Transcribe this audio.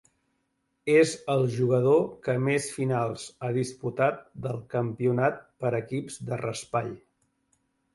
És el jugador que més finals ha disputat del Campionat per equips de raspall.